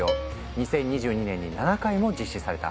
２０２２年に７回も実施された。